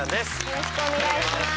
よろしくお願いします。